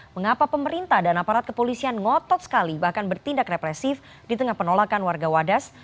mengapa pemerintah dan aparat kepolisian ngotot sekali bahkan bertindak represif di tengah penolakan warga wadas